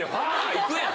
行くやん。